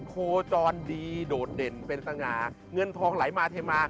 โคจรดีโดดเด่นเป็นสง่าเงินทองไหลมาเทมา